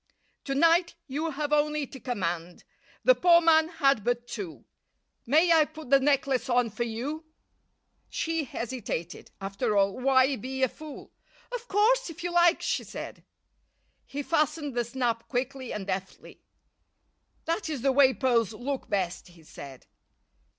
"To night you have only to command. The poor man had but two. May I put the necklace on for you?" She hesitated. After all, why be a fool? "Of course, if you like," she said. He fastened the snap quickly and deftly. "That is the way pearls look best," he said.